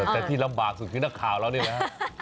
แต่ที่ลำบากสุดคือนักข่าวเรานี่แหละ